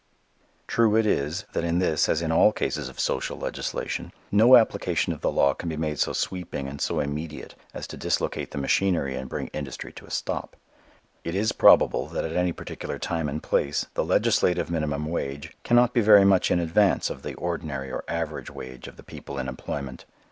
True it is, that in this as in all cases of social legislation, no application of the law can be made so sweeping and so immediate as to dislocate the machine and bring industry to a stop. It is probable that at any particular time and place the legislative minimum wage cannot be very much in advance of the ordinary or average wage of the people in employment.